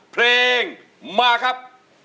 เพลงมาครับ